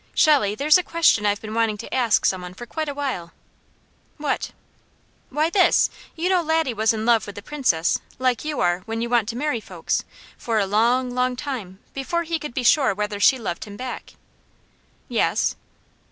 "Shelley, there's a question I've been wanting to ask some one for quite a while." "What?" "Why, this! You know, Laddie was in love with the Princess, like you are when you want to marry folks, for a long, long time, before he could be sure whether she loved him back." "Yes."